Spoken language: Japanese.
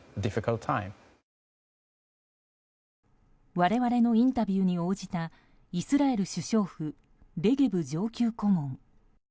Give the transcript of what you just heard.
我々のインタビューに応じたイスラエル首相府レゲブ上級顧問。